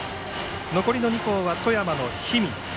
残りの２校は富山の氷見